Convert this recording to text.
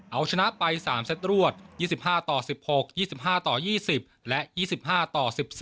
เอาชนะไป๓เซตรวด๒๕ต่อ๑๖๒๕ต่อ๒๐และ๒๕ต่อ๑๔